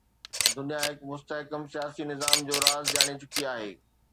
دنيا هڪ مستحڪم سياسي نظام جو راز ڄاڻي چڪي آهي.